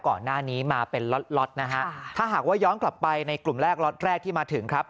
ก่อนหน้านี้มาเป็นล็อตนะฮะถ้าหากว่าย้อนกลับไปในกลุ่มแรกล็อตแรกที่มาถึงครับ